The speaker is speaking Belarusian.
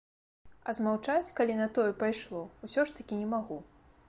А змаўчаць, калі на тое пайшло, усё ж такі не магу.